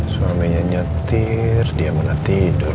suaminya nyetir dia menetidur